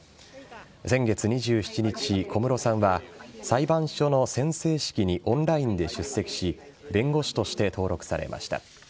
先月２７日、小室さんは裁判所の宣誓式にオンラインで出席し弁護士として登録されました。